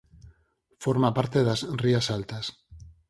Forma parte das rías Altas.